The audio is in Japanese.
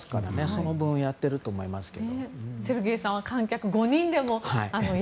その分やってると思いますが。